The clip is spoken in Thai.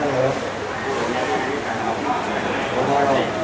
ตัวเข้าใจ